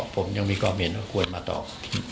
ผมยังมีความเห็นว่าควรมาตอบ